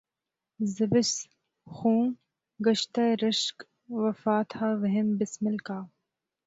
ز بس خوں گشتۂ رشک وفا تھا وہم بسمل کا